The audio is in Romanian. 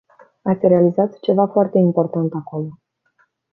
Ați realizat ceva foarte important acolo.